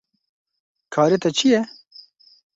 Karê te çi ye?